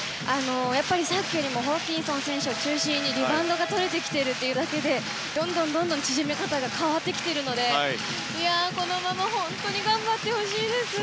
さっきよりもホーキンソン選手を中心にリバウンドとれてきているだけでどんどん縮め方が変わってきているのでこのまま頑張ってほしいです。